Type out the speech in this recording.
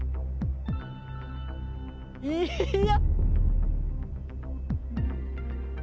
いや。